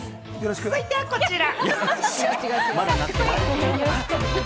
続いてはこちら。